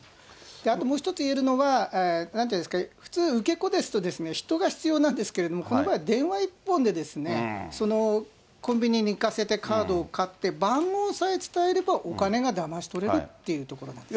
あともう一つ言えるのは、なんていうんですか、普通、受け子ですと、人が必要なんですけれども、この場合は電話一本で、そのコンビニに行かせて、カードを買って、番号さえ伝えれば、お金がだまし取れるというところなんですね。